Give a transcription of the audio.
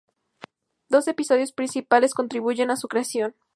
Dos episodios principales contribuyeron a su creación.